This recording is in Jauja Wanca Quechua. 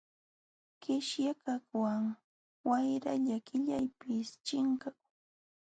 Qishyakaqwan wayralla qillaypis chinkakun.